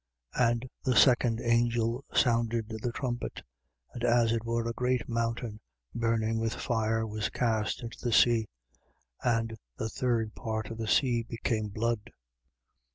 8:8. And the second angel sounded the trumpet: and, as it were, a great mountain, burning with fire, was cast into the sea. And the third part of the sea became blood.